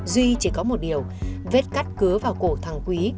duy chỉ có một điều vết cắt cứa vào cổ thăng quý